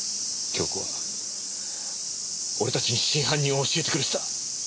杏子は俺たちに真犯人を教えてくれてた。